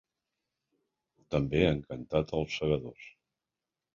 També han cantat ‘Els Segadors’.